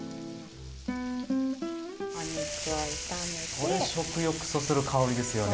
これ食欲そそる香りですよね。